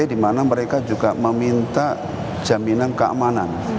dimana mereka juga meminta jaminan keamanan